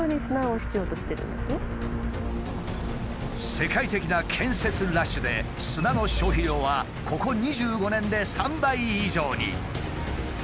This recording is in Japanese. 世界的な建設ラッシュで砂の消費量はここ２５年で３倍以上に。